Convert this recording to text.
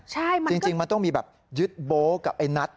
ใช่จริงมันต้องมีแบบยึดโบ๊คกับไอ้นัท